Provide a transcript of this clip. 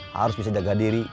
harus bisa jaga diri